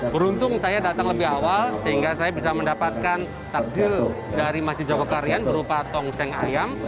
beruntung saya datang lebih awal sehingga saya bisa mendapatkan takjil dari masjid jogokarian berupa tongseng ayam